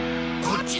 こっち！